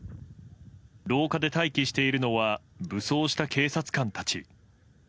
廊下で待機しているのは武装した警察官たち。